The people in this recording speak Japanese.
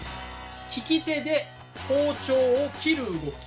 利き手で包丁を切る動き。